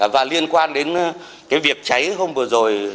và liên quan đến việc cháy hôm vừa rồi ở cầu giấy